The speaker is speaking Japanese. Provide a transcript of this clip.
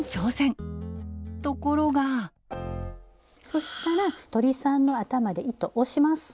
そしたら鳥さんの頭で糸押します！